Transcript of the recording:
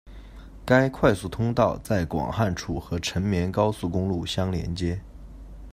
该快速通道在广汉处和成绵高速公路相连接。